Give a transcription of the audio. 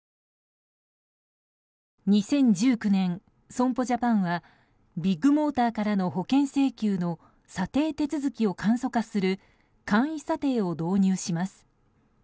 ２０１９年、損保ジャパンはビッグモーターからの保険請求の査定手続きを簡素化する簡易査定を導入します。